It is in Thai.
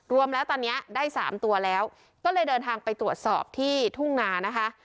รวมแล้วตอนนี้ได้๓ตัวแล้วก็เลยเดินทางไปตรวจสอบที่ทุ่งนานะคะ